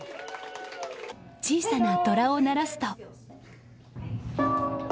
小さなドラを鳴らすと。